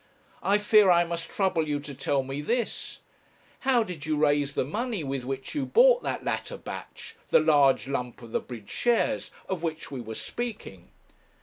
I fear I must trouble you to tell me this How did you raise the money with which you bought that latter batch the large lump of the bridge shares of which we were speaking?'